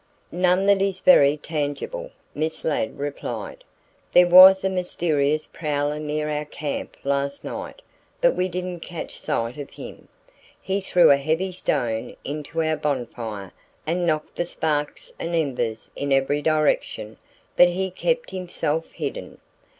"None that is very tangible," Miss Ladd replied. "There was a mysterious prowler near our camp last evening, but we didn't catch sight of him. He threw a heavy stone into our bonfire and knocked the sparks and embers in every direction, but he kept himself hidden.